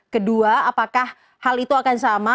kedua apakah hal itu akan sama